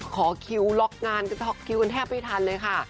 ขอคิวล็อกงานกันคิวกันแทบไม่ทันเลยค่ะ